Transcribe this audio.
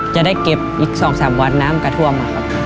จะได้เก็บอีก๒๓วันน้ำกระท่วมครับ